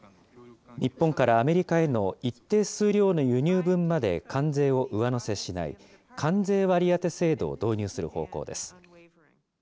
日本からアメリカへの一定数量の輸入分まで関税を上乗せしない関税割当制度を導入する方向です。